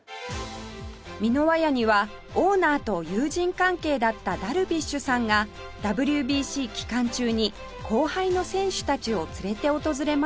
箕輪家にはオーナーと友人関係だったダルビッシュさんが ＷＢＣ 期間中に後輩の選手たちを連れて訪れました